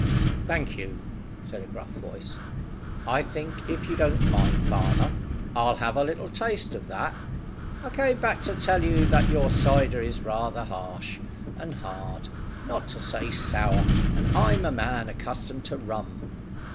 "Thank you," said a gruff voice. "I think, if you don't mind, farmer, I'll have a little taste of that. I came back to tell you that your cider is rather harsh and hard, not to say sour, and I'm a man accustomed to rum."